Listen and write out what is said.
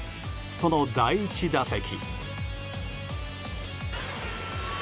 その第１打席。